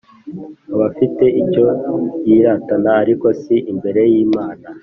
aba afite icyo yiratana, ariko si imbere y'Imana.